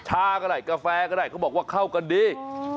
ชาก็ได้กาแฟก็ได้เขาบอกว่าเข้ากันดี